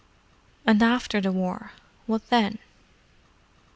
And after the War? What then?"